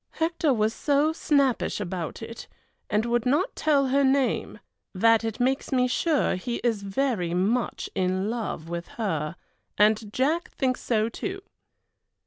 Hector was so snappish about it, and would not tell her name, that it makes me sure he is very much in love with her, and Jack thinks so too.